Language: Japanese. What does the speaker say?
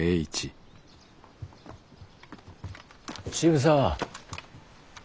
渋沢。